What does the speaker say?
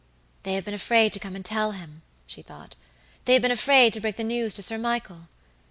"They have been afraid to come and tell him," she thought; "they have been afraid to break the news to Sir Michael.